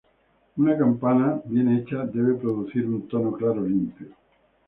Una campana bien hecha debe producir un tono claro limpio.